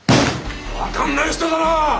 分かんない人だな！